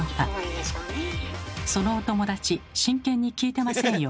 そのお友達真剣に聞いてませんよ。